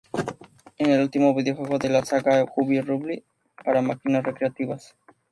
Es el último videojuego de la saga Bubble Bobble para máquinas recreativas.